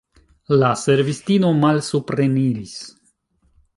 La servistino malsupreniris.